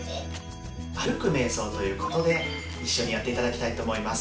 歩くめい想ということで一緒にやって頂きたいと思います。